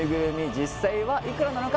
実際はいくらなのか？